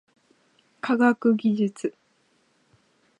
科学技術